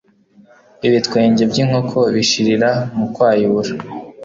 Ibitwenge by’inkoko bishirira mu kwayura